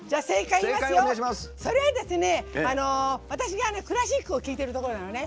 正解は、私がクラシックを聴いてるところなのね。